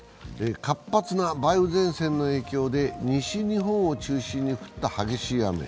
活発な梅雨前線の影響で西日本を中心に降った激しい雨。